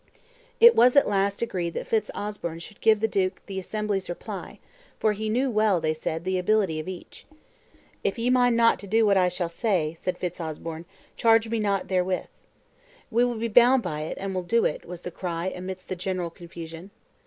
It was at last agreed that Fitz Osbern should give the duke the assembly's reply; for he knew well, they said, the ability of each. "If ye mind not to do what I shall say," said Fitz Osbern, "charge me not therewith." "We will be bound by it, and will do it," was the cry amidst general confusion.